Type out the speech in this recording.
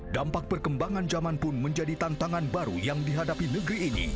dampak perkembangan zaman pun menjadi tantangan baru yang dihadapi negeri ini